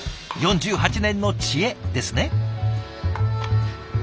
４８年の知恵ですね。